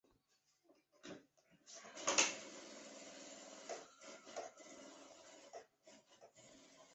尼斯的教练称赞奥斯宾拿有成为一个好门将所有必要的条件。